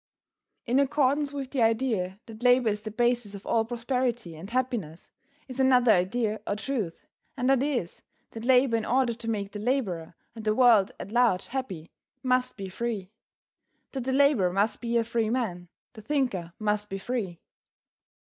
In accordance with the idea that labor is the basis of all prosperity and happiness, is another idea or truth, and that is, that labor in order to make the laborer and the world at large happy, must be free. That the laborer must be a free man, the thinker must be free.